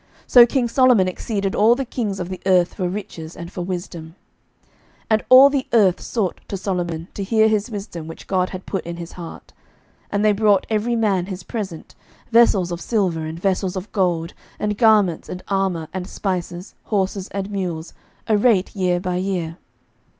11:010:023 So king Solomon exceeded all the kings of the earth for riches and for wisdom. 11:010:024 And all the earth sought to Solomon, to hear his wisdom, which God had put in his heart. 11:010:025 And they brought every man his present, vessels of silver, and vessels of gold, and garments, and armour, and spices, horses, and mules, a rate year by year.